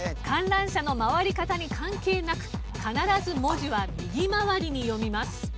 観覧車の回り方に関係なく必ず文字は右回りに読みます。